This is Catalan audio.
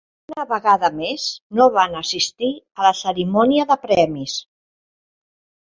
Una vegada més, no van assistir a la cerimònia de premis.